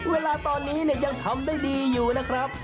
เวลาตอนนี้เนี่ยยังทำได้ดีอยู่นะครับ